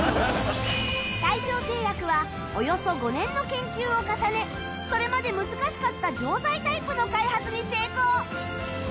大正製薬はおよそ５年の研究を重ねそれまで難しかった錠剤タイプの開発に成功